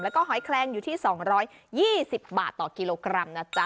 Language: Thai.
และก็หอยแคลงอยู่ที่สองร้อยยี่สิบบาทต่อกิโลกรัมนะจ๊ะ